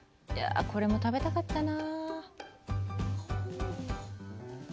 これも食べたかったな。